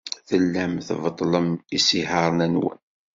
Tellam tbeṭṭlem isihaṛen-nwen.